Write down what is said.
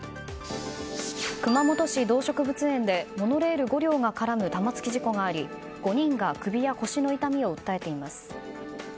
熊本市動植物園でモノレール５両が絡む玉突き事故があり、５人が首や腰の痛みを訴えています。